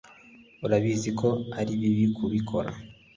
urabizi ko ari bibi kubikora